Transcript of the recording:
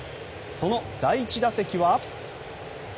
その第１打席は。